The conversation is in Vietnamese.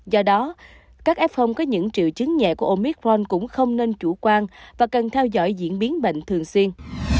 do đó các f có những triệu chứng nhẹ của omicron cũng không nên chủ quan và cần theo dõi diễn biến bệnh thường xuyên